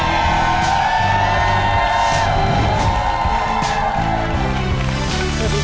เกมต่อชีวิตสูงสุด๑ล้านบาท